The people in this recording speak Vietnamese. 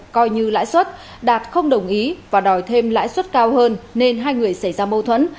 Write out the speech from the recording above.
coi như lãi suất đạt không đồng ý và đòi thêm lãi suất cao hơn nên hai người xảy ra mâu thuẫn